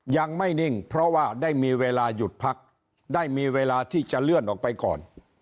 ยังไม่นิ่งเพราะว่าได้มีเวลาหยุดพักได้มีเวลาที่จะเลื่อนออกไปก่อน